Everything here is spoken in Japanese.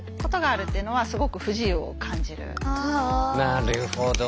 なるほどね。